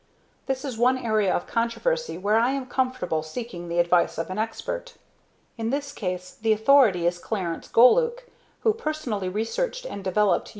This is one area of controversy where I am comfortable seeking the advice of an expert. In this case, the authority is Clarence Golueke, who personally researched and developed U.